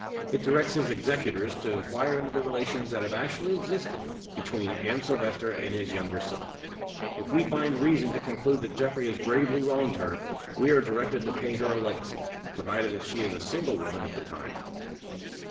It directs his executors to inquire into the relations that have actually existed between Anne Silvester and his younger son. If we find reason to conclude that Geoffrey has gravely wronged her, we are directed to pay her a legacy provided that she is a single woman at the time."